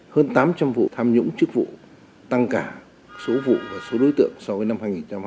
hơn tám trăm linh vụ tham nhũng chức vụ tăng cả số vụ và số đối tượng so với năm hai nghìn hai mươi ba